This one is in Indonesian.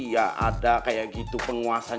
ya ada kayak gitu penguasa